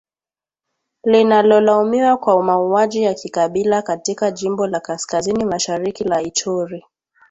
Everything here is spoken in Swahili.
Linalolaumiwa kwa mauaji ya kikabila katika jimbo la kaskazini-mashariki la Ituri.